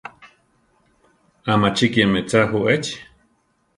¿Amachíkiame tza ju echi?